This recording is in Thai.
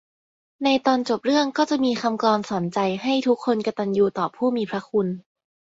ในตอนจบเรื่องก็จะมีคำกลอนสอนใจให้ทุกคนกตัญญูต่อผู้มีพระคุณ